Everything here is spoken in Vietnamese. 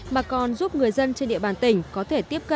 mà còn giúp người dân trên địa bàn tỉnh có thể tiếp cận